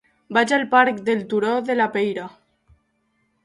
Vaig al parc del Turó de la Peira.